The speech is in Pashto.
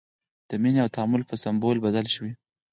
د مینې او تعامل په سمبول بدل شوی.